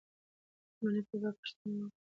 د ملالۍ په باب پوښتنه وکړه.